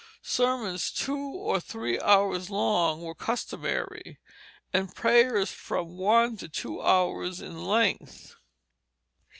Sermons two or three hours long were customary, and prayers from one to two hours in length.